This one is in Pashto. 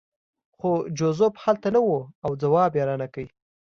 خو جوزف هلته نه و او ځواب یې رانکړ